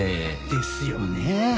ですよね。